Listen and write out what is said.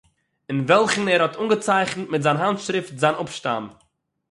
אין וועלכן ער האָט אָנגעצייכנט מיט זיין האַנטשריפט זיין אָפּשטאַם